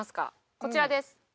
こちらです。